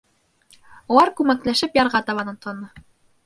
Улар күмәкләшеп ярға табан атланы.